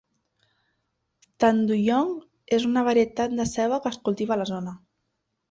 Tanduyong és una varietat de ceba que es cultiva a la zona.